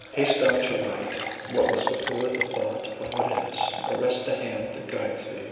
haste thou to write what was, before the thought of what is, arrests the hand that guides thee.